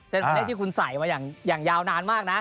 เป็นเลขที่คุณใส่มาอย่างยาวนานมากนะ